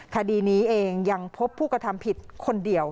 คดีนี้เองยังพบผู้กระทำผิดคนเดียว